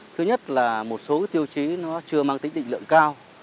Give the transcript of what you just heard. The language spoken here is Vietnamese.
thứ nhất là một số tiêu chí nó chưa mang tính định lượng cao